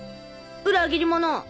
裏切り者！